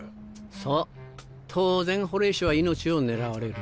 そう当然ホレイショは命を狙われる。